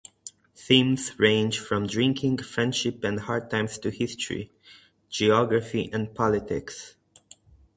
Themes range from drinking, friendship, and hard times to history, geography and politics.